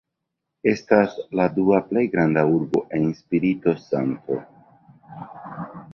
Estas la dua plej granda urbo en Espirito-Santo.